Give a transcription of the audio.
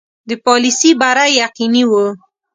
د پالیسي بری یقیني وو.